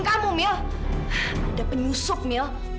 kamu mil ada penusuk mil